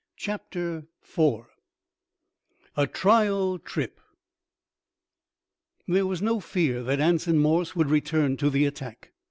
Chapter 4 A Trial Trip There was no fear that Anson Morse would return to the attack.